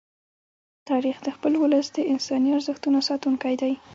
تاریخ د خپل ولس د انساني ارزښتونو ساتونکی دی.